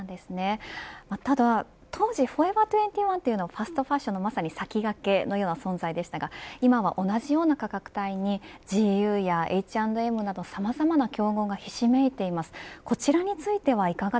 ただ、当時フォーエバー２１はファストファッションの先駆けのような存在でしたが今は同じような価格帯にＧＵやＨ＆Ｍなどさまざまな競合がひしめいています。